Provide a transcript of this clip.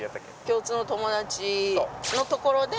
共通の友達のところで。